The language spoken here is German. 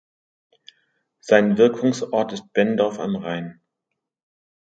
Sein Wirkungsort ist Bendorf am Rhein.